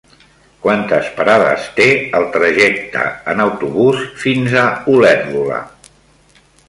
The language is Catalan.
Quantes parades té el trajecte en autobús fins a Olèrdola?